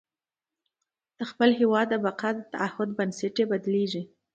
د خپل هېواد د بقا د تعهد بنسټ یې بدلېږي.